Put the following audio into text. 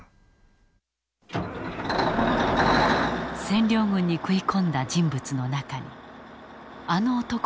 占領軍に食い込んだ人物の中にあの男もいた。